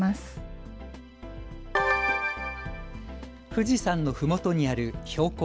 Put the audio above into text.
富士山のふもとにある標高